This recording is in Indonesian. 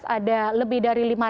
ada lebih dari lima ratus